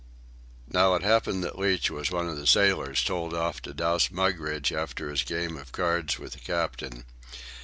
Now it happened that Leach was one of the sailors told off to douse Mugridge after his game of cards with the captain.